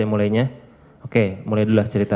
dua ribu empat belas ya mulainya oke mulai dulu lah cerita